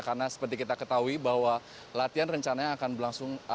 karena seperti kita ketahui bahwa latihan rencananya akan berlangsung